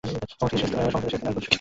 সমস্ত দেশের স্তনে আজ দুধ শুকিয়ে এসেছে।